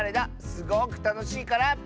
すごくたのしいから。